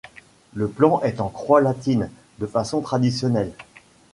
Le plan est en croix latine, de façon traditionnelle.